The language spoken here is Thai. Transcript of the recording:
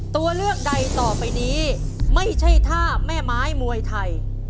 ตัวเลือกใดต่อไปนี้ไม่ใช่ท่าแม่ไม้มวยไทย